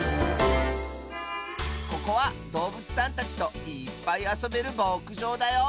ここはどうぶつさんたちといっぱいあそべるぼくじょうだよ。